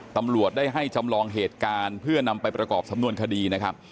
ตำรวจได้ให้จำลองเหตุการณ์เพื่อนำไปประกอบสำนวนคดีนะครับ